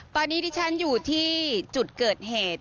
ตอนนี้ที่ฉันอยู่ที่จุดเกิดเหตุ